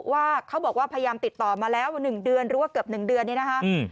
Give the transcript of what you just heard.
ว่าเขาบอกว่าพยายามติดต่อมาแล้ว๑เดือนหรือว่าเกือบ๑เดือนเนี่ยนะคะ